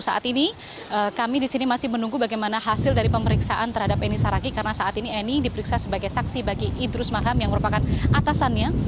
saat ini kami di sini masih menunggu bagaimana hasil dari pemeriksaan terhadap eni saragi karena saat ini eni diperiksa sebagai saksi bagi idrus marham yang merupakan atasannya